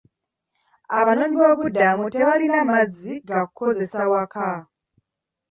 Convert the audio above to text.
Abanoonyi b'obubuddamu tebalina mazzi ga kukozesa waka.